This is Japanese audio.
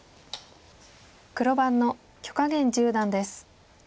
黒番の許家元十段です。